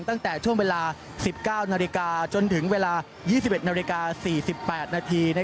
ตั้งแต่ช่วงเวลา๑๙นาฬิกาจนถึงเวลา๒๑นาฬิกา๔๘นาที